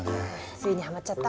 ついにハマっちゃった？